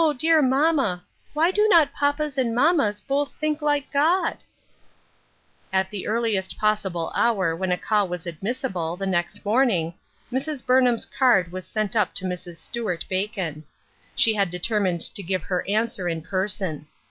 dear mamma, why do not papas and mammas both think like God ?" At the earliest possible hour when a call was admissible, the next morning, Mrs. Burnham's card was sent up to Mrs. Stuart Bacon. She had determined to give her answer in person.